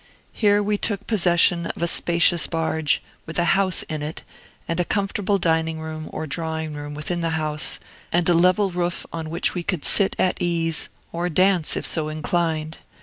Here we took possession of a spacious barge, with a house in it, and a comfortable dining room or drawing room within the house, and a level roof, on which we could sit at ease, or dance if so inclined.